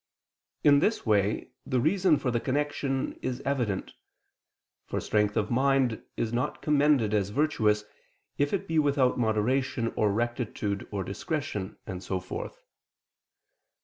In this way the reason for the connection is evident: for strength of mind is not commended as virtuous, if it be without moderation or rectitude or discretion: and so forth.